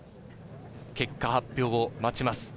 結果発表を待ちます。